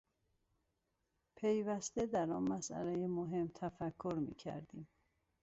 پیوسته در آن مسئلهٔ مهم تفکر میکردیم.